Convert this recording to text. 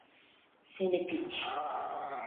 Seni piç!